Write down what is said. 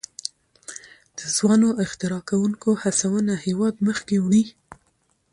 د ځوانو اختراع کوونکو هڅونه هیواد مخکې وړي.